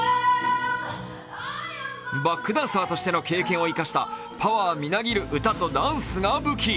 バックダンサーとしての経験を生かしたパワーみなぎる歌とダンスが武器。